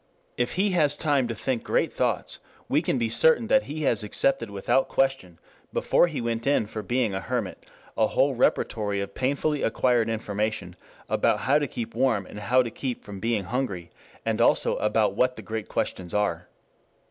If he has time to think great thoughts we can be certain that he has accepted without question, before he went in for being a hermit, a whole repertory of painfully acquired information about how to keep warm and how to keep from being hungry, and also about what the great questions are.